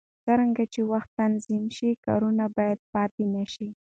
څرنګه چې وخت تنظیم شي، کارونه به پاتې نه شي.